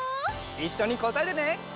いっしょにこたえてね！